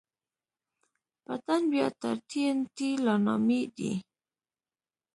پټن بيا تر ټي ان ټي لا نامي دي.